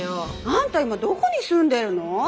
あんた今どこに住んでるの？